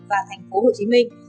và thành phố hồ chí minh